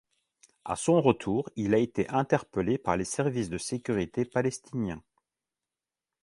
À son retour, il a été interpellé par les services de sécurité palestiniens.